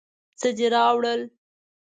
څه دې راوړل؟